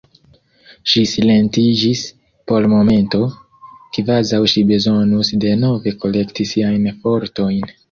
Ŝi silentiĝis por momento, kvazaŭ ŝi bezonus denove kolekti siajn fortojn.